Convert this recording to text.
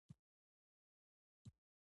خوله يې وچه وه.